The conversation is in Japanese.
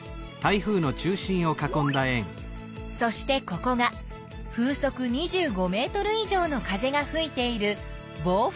そしてここが風速２５ｍ以上の風がふいている暴風いき。